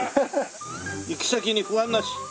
「行き先に不安なし」